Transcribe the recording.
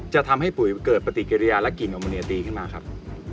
จะทำให้ปุ๋ยเกิดปฏิกิริยาและกินอมีอยาตรีมาครับ